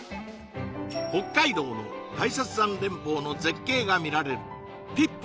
北海道の大雪山連峰の絶景が見られるぴっぷ